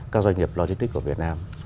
các doanh nghiệp logistics của việt nam